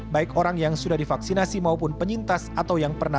baik orang yang sudah divaksinasi maupun penyintas atau yang pernah